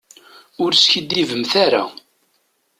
Ur skiddibemt ara.